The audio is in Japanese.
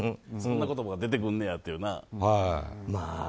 そんな言葉が出てくんねやっていうね。